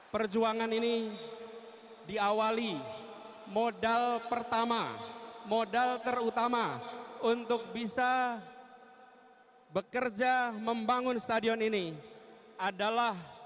perjuangan ini diawali modal pertama modal terutama untuk bisa bekerja membangun stadion ini adalah